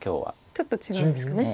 ちょっと違うんですかね。